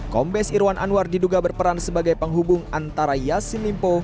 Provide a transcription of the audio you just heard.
kombes irwan anwar diduga berperan sebagai penghubung antara yassin limpo